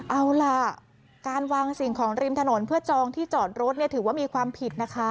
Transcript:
เอาล่ะการวางสิ่งของริมถนนเพื่อจองที่จอดรถถือว่ามีความผิดนะคะ